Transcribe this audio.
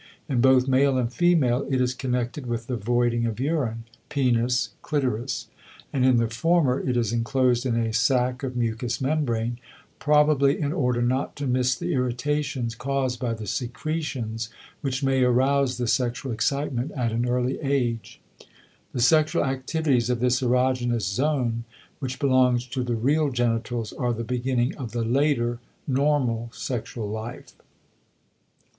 In both male and female it is connected with the voiding of urine (penis, clitoris), and in the former it is enclosed in a sack of mucous membrane, probably in order not to miss the irritations caused by the secretions which may arouse the sexual excitement at an early age. The sexual activities of this erogenous zone, which belongs to the real genitals, are the beginning of the later normal sexual life.